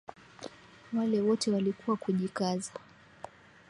Wale wote walikuwa kujikaza